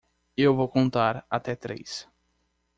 Eu vou contar até três!